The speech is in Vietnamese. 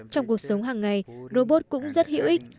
trong cuộc sống hàng ngày robot cũng rất hữu ích